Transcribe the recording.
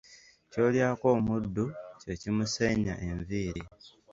Ky'olyako omuddu, kye kimuseenya enviiri.